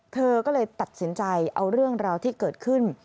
เธอก็เลยตัดสินใจเอาเรื่องราวที่เกิดขึ้น